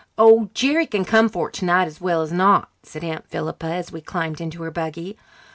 "Oh, Jerry can come for it tonight as well as not," said Aunt Philippa, as we climbed into her buggy.